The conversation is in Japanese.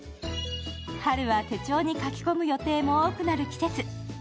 春は手帳に書き込む予定も多くなる季節。